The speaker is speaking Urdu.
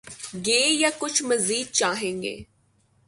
گے یا کچھ مزید چاہیں گے؟